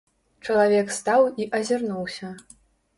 Чалавек стаў і азірнуўся.